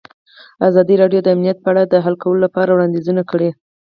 ازادي راډیو د امنیت په اړه د حل کولو لپاره وړاندیزونه کړي.